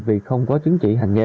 vì không có chứng chỉ hành nghề